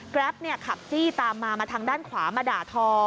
แรปขับจี้ตามมามาทางด้านขวามาด่าทอ